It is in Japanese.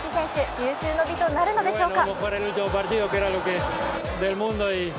有終の美となるのでしょうか。